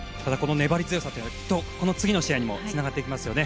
粘り強さは次の試合にもつながっていきますよね。